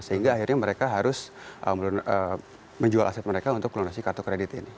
sehingga akhirnya mereka harus menjual aset mereka untuk melunasi kartu kredit ini